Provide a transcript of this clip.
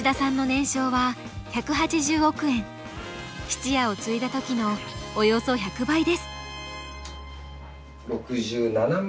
質屋を継いだ時のおよそ１００倍です。